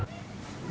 năm học mới